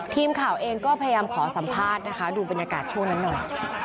ทีมข่าวเองก็พยายามขอสัมภาษณ์นะคะดูบรรยากาศช่วงนั้นหน่อย